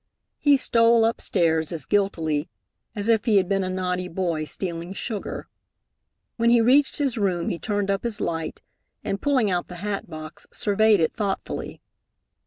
He stole upstairs as guiltily as if he had been a naughty boy stealing sugar. When he reached his room, he turned up his light, and, pulling out the hat box, surveyed it thoughtfully.